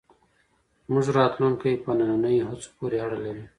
زموږ راتلونکی په نننیو هڅو پورې اړه لري.